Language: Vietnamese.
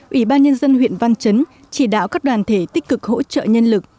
ủy ban nhân dân huyện văn chấn chỉ đạo các đoàn thể tích cực hỗ trợ nhân lực